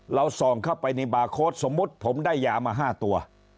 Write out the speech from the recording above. ส่องเข้าไปในบาร์โค้ดสมมุติผมได้ยามา๕ตัว